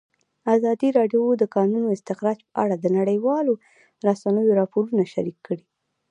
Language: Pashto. ازادي راډیو د د کانونو استخراج په اړه د نړیوالو رسنیو راپورونه شریک کړي.